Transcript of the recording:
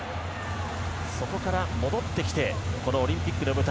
そこから、戻ってきてこのオリンピックの舞台。